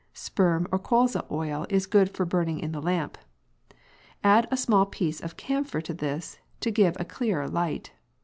Sperm or colza oil is good for burning in the lamp. Add a small piece of camphor to this to give a clearer light.